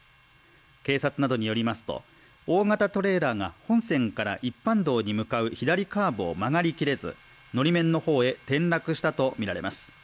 警察などによりますと大型トレーラーが本線から一般道に向かう左カーブを曲がり切れずのり面の方へ転落したとみられます。